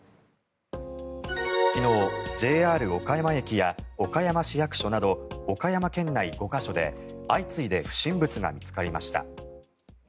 昨日、ＪＲ岡山駅や岡山市役所など岡山県内５か所で相次いで不審物が見つかりました。